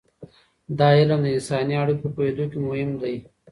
دا علم د انساني اړیکو په پوهیدو کې مهم دی.